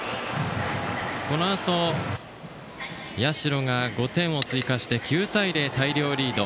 このあと社が５点を追加して９対０と大量リード。